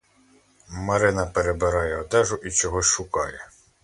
Марина перебирає одежу і чогось шукає.